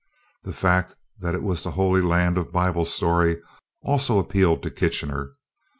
The fact that it was the Holy Land of Bible story also appealed to Kitchener.